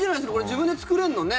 自分で作れるのね。